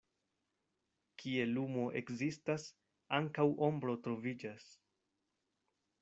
Kie lumo ekzistas, ankaŭ ombro troviĝas.